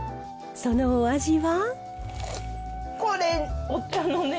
そのお味は？